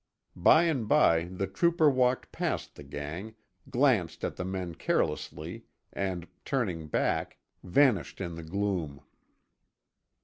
By and by the trooper walked past the gang, glanced at the men carelessly, and, turning back, vanished in the gloom.